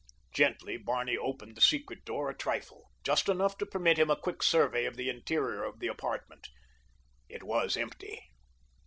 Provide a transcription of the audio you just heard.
Gently Barney opened the secret door a trifle—just enough to permit him a quick survey of the interior of the apartment. It was empty.